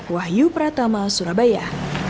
wahyu pratama surabaya